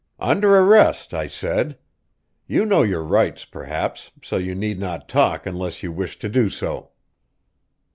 "Under arrest," I said. "You know your rights, perhaps, so you need not talk unless you wish to do so."